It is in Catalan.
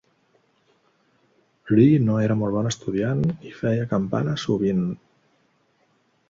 Lee no era molt bon estudiant i feia campana sovint.